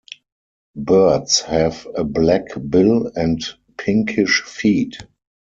Birds have a black bill and pinkish feet.